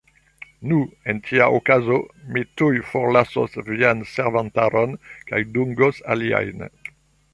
Nu, en tia okazo mi tuj forlasos vian servantaron kaj dungos aliajn.